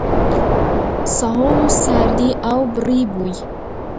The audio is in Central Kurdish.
سەهۆڵ و ساردی ئاو بڕیبووی